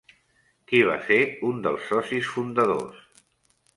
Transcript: Qui va ser un dels socis fundadors?